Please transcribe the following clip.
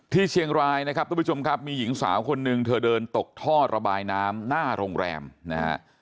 เชียงรายนะครับทุกผู้ชมครับมีหญิงสาวคนหนึ่งเธอเดินตกท่อระบายน้ำหน้าโรงแรมนะฮะ